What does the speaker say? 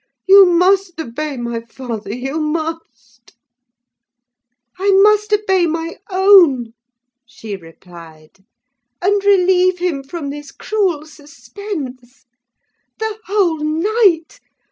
You must obey my father—you must!" "I must obey my own," she replied, "and relieve him from this cruel suspense. The whole night!